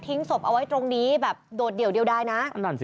ทิ้งศพเอาไว้ตรงนี้แบบโดดเดี๋ยวไดะนะ